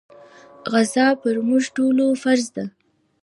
غزا پر موږ ټولو فرض ده.